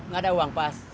gak ada uang pas